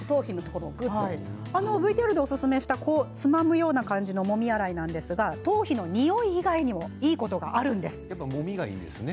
ＶＴＲでおすすめしたつまむもみ洗いなんですが頭皮のにおい以外にもいいことがあるんです。